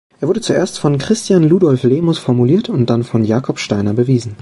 Er wurde zuerst von Christian Ludolf Lehmus formuliert und dann von Jakob Steiner bewiesen.